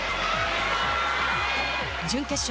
準決勝。